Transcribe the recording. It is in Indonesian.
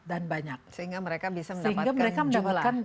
dan banyak sehingga mereka bisa mendapatkan